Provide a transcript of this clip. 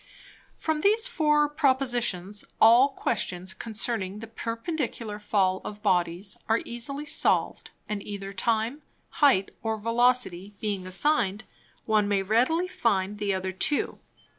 From these Four Propositions, all Questions concerning the Perpendicular Fall of Bodies, are easily solved, and either Time, Height, or Velocity being assign'd, one may readily find the other two.